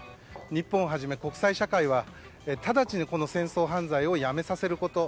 日本をはじめ国際社会はただちにこの戦争犯罪をやめさせること。